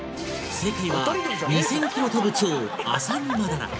正解は２０００キロ飛ぶ蝶アサギマダラ